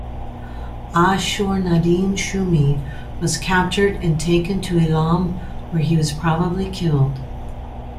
Ashur-nadin-shumi was captured and taken to Elam where he was probably killed.